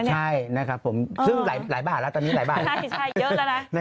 หมายความรู้ถึงกันใช่ไหมครับหลายแรกก็ได้เยอะมากเลย